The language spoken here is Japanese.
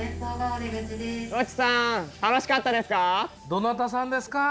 どなたさんですか？